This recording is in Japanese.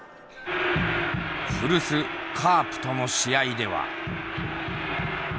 古巣カープとの試合では。